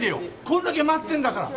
これだけ待ってるんだから！